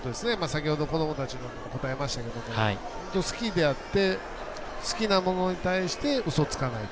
先ほど、子どもたちに答えましたけれども好きであって好きなものに対してうそをつかない。